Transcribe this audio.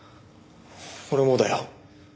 俺もだよ。